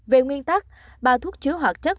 về nguyên tắc ba thuốc chứa hoạt chất